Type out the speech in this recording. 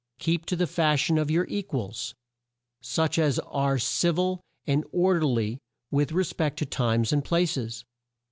Keep to the fash ion of your e quals, such as are civ il and or der ly with re spect to times and pla ces.